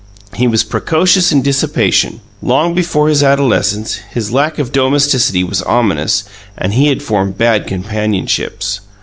He was precocious in dissipation. Long before his adolescence, his lack of domesticity was ominous, and he had formed bad companionships.